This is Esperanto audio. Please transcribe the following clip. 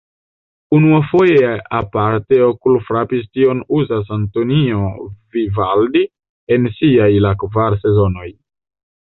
Unuafoje aparte okulfrape tion uzas Antonio Vivaldi en siaj La kvar sezonoj.